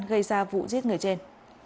gây ra vụ giết người trên